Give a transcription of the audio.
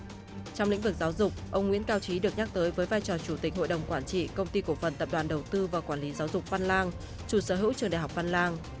trong lĩnh vực giáo dục ông nguyễn cao trí được nhắc tới với vai trò chủ tịch hội đồng quản trị công ty cổ phần tập đoàn đầu tư và quản lý giáo dục văn lang chủ sở hữu trường đại học phan lan